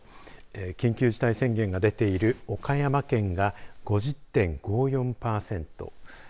緊急事態宣言が出ている岡山県が５０．５４パーセント。